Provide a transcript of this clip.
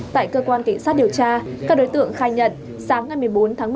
tại cơ quan cảnh sát điều tra các đối tượng khai nhận sáng ngày một mươi bốn tháng một